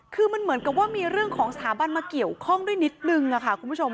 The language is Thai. คือมันเหมือนกับว่ามีเรื่องของสถาบันมาเกี่ยวข้องด้วยนิดนึงค่ะคุณผู้ชม